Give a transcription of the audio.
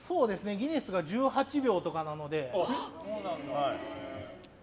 ギネスが１８秒とかなので。